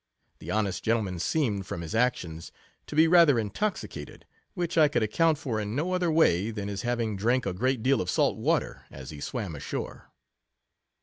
The honest gentle man seemed, from his actions, to be rather intoxicated: which I could account for in no other way than his having drank a great deal of salt water, as he swam ashore.